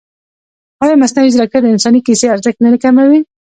ایا مصنوعي ځیرکتیا د انساني کیسې ارزښت نه کموي؟